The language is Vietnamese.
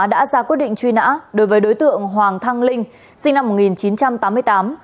đã ra quyết định truy nã đối với đối tượng hoàng thanh linh sinh năm một nghìn chín trăm tám mươi tám